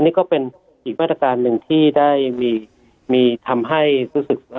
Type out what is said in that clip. นี่ก็เป็นอีกมาตรการหนึ่งที่ได้มีทำให้รู้สึก